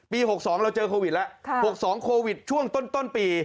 ๖๒เราเจอโควิดแล้ว๖๒โควิดช่วงต้นปี